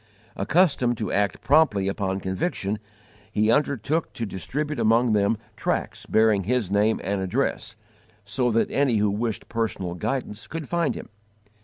Accustomed to act promptly upon conviction, he undertook to distribute among them tracts bearing his name and address, so that any who wished personal guidance could find him.